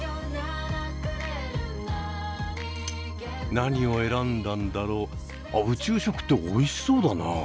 何を選んだんだろうあっ宇宙食っておいしそうだな。